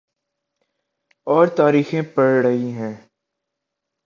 اورتاریخیں پڑ رہی ہیں۔